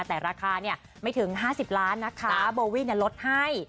แต่ราคาไม่ถึง๕๐ล้านบาทโบวี่ลดให้